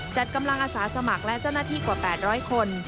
จัดกำลังอาสาสมัครและเจ้าหน้าที่กว่า๘๐๐คน